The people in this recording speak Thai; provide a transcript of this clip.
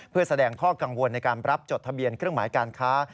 เพื่อแสดงข้อกังวลในการรับจดทะเบียนเครื่องหมายการค้า